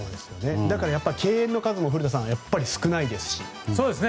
だから敬遠の数も古田さん、少ないですし。